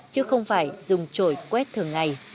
chứ không phải dùng chổi quét thường ngày